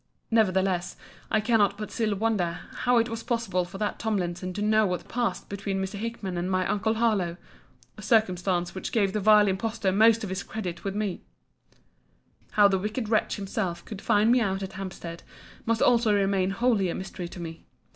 Nevertheless, I cannot but still wonder, how it was possible for that Tomlinson to know what passed between Mr. Hickman and my uncle Harlowe:* a circumstance which gave the vile impostor most of his credit with me. * See the note in Letter LXX. of this volume. How the wicked wretch himself could find me out at Hampstead, must also remain wholly a mystery to me.